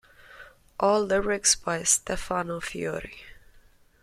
All lyrics by Stefano Fiori.